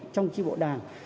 trong chi bộ đảng